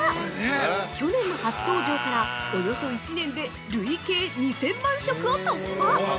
去年の初登場から、およそ１年で累計２０００万食を突破！